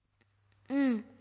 うん。